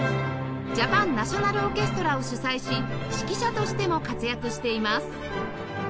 ジャパン・ナショナル・オーケストラを主宰し指揮者としても活躍しています